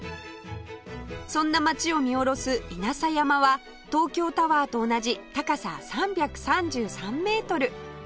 そんな街を見下ろす稲佐山は東京タワーと同じ高さ３３３メートル